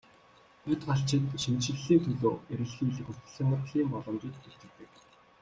Бодгальчид шинэчлэлийн төлөө эрэлхийлэх хүсэл сонирхлын боломжид итгэдэг.